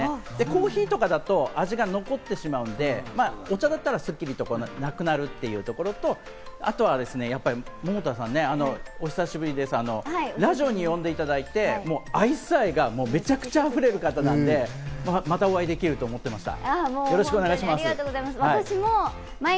コーヒーとかだと味が残ってしまうので、お茶だったらスッキリとなくなるというところと、あとは百田さん、お久しぶりです、ラジオに呼んでいただいて、アイス愛がめちゃくちゃあふれる方なんで、またお会いできると思ってました。